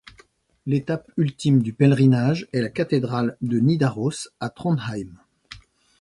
L'étape ultime du pèlerinage est la Cathédrale de Nidaros à Trondheim.